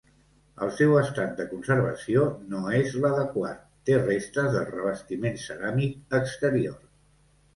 El seu estat de conservació no és l'adequat, té restes del revestiment ceràmic exterior.